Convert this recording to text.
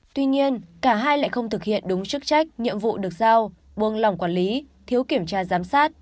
tuy nhiên cả hai lại không thực hiện đúng chức trách nhiệm vụ được giao buông lòng quản lý thiếu kiểm tra giám sát